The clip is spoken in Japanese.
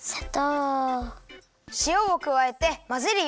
しおをくわえてまぜるよ。